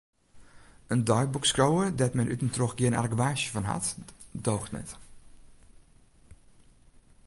In deiboekskriuwer dêr't men út en troch gjin argewaasje fan hat, doocht net.